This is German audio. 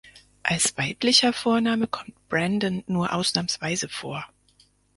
Als weiblicher Vorname kommt Brandon nur ausnahmsweise vor.